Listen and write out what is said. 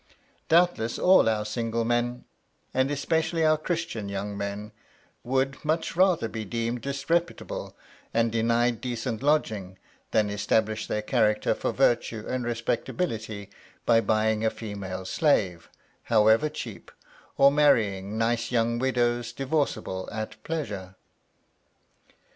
Doubtless all our single men, and especially our Christian young men, would much rather be deemed disreputable and denied decent lodgings than establish their character for virtue and respectability by buying female slaves, however cheap, or marrying nice young widows divorcible at pleasure!